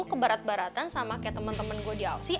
kebarat baratan sama kayak temen temen gue di ausis